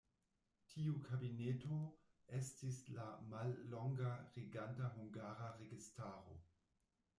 Tiu kabineto estis la mallonga reganta hungara registaro.